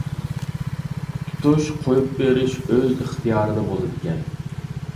تۇتۇش قۇيۇپ بېرىش ئۆز ئىختىيارىدا بولىدىكەن.